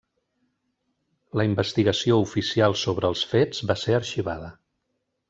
La investigació oficial sobre els fets va ser arxivada.